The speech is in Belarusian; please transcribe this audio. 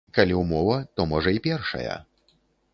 Калі ўмова, то можа й першая.